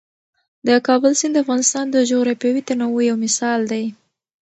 د کابل سیند د افغانستان د جغرافیوي تنوع یو مثال دی.